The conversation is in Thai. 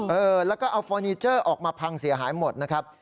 เออแล้วก็เอาฟอร์นิเจอร์ออกมาพังเสียหายหมดนะครับ